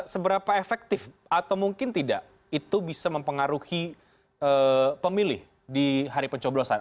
seberapa efektif atau mungkin tidak itu bisa mempengaruhi pemilih di hari pencoblosan